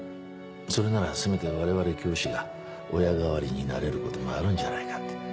それならせめて我々教師が親代わりになれることもあるんじゃないかって。